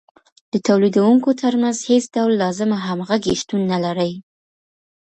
د تولیدونکو ترمنځ هېڅ ډول لازمه همغږي شتون نلري